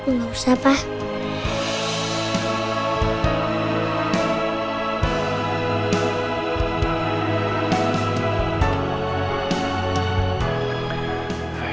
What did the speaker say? nggak usah pak